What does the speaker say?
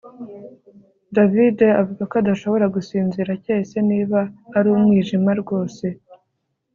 davide avuga ko adashobora gusinzira keretse niba ari umwijima rwose